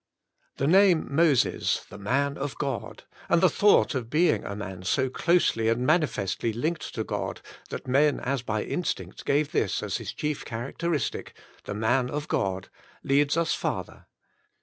The name, Moses, the man of God! and the thought of a man being so closely and mani festly linked to God that men as by instinct gave this as his chief characteristic — the man of God! — ^leads us farther.